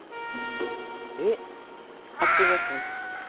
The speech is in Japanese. えっ開けてみますか？